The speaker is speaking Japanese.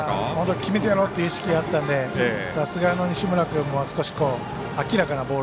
決めてやろうっていう意識があって、さすがの西村君も少し明らかなボール。